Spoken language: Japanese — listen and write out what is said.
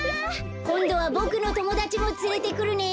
こんどはボクのともだちもつれてくるね。